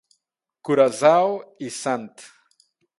Curazao y St.